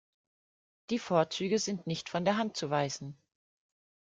Die Vorzüge sind nicht von der Hand zu weisen.